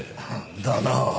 だな。